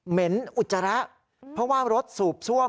เห็นอุจจาระเพราะว่ารถสูบซ่วม